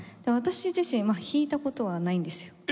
私自身弾いた事はないんですよ。